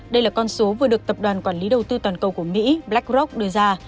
đây là con số vừa được tập đoàn quản lý đầu tư toàn cầu của mỹ blackrock đưa ra